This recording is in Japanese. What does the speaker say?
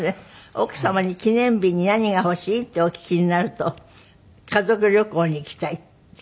奥様に「記念日に何が欲しい？」ってお聞きになると「家族旅行に行きたい」って。